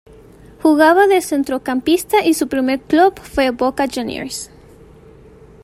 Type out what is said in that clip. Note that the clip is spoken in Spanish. Jugaba de centrocampista y su primer club fue Boca Juniors.